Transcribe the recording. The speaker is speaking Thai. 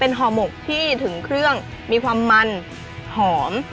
ห่อหมกที่ถึงเครื่องมีความมันหอม